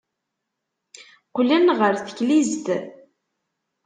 Qqlen ɣer teklizt.